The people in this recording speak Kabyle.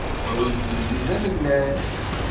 Aydi-inu d amellal.